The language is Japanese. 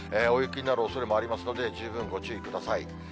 大雪になるおそれもありますので、十分ご注意ください。